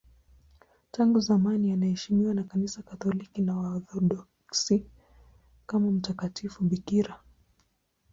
Tangu zamani anaheshimiwa na Kanisa Katoliki na Waorthodoksi kama mtakatifu bikira.